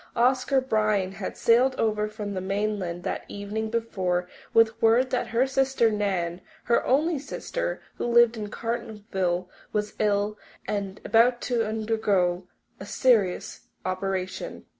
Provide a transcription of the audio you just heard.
Oscar Bryan had sailed over from the mainland the evening before with word that her sister Nan her only sister, who lived in Cartonville was ill and about to undergo a serious operation.